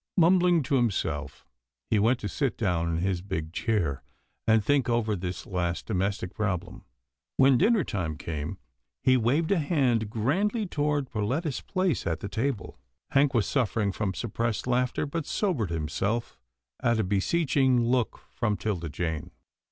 Mumbling to himself, he went to sit down in his big chair, and think over this last domestic problem. When dinner time came, he waved a hand grandly toward Perletta's place at the table. Hank was suffering from suppressed laughter, but sobered himself, at a beseeching look from 'Tilda Jane.